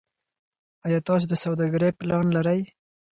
ایا تاسو د سوداګرۍ پلان لرئ.